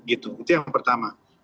itu yang pertama